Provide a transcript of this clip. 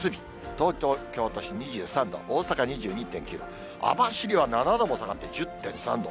東京都心２３度、大阪２２．９度、網走は７度も下がって１０．３度。